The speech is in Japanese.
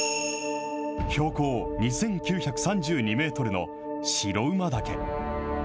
標高２９３２メートルの白馬岳。